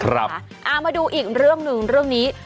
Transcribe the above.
เอามาดูอีกเรื่องหนึ่งเรื่องนี้